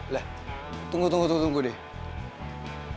leh tunggu tunggu tunggu deh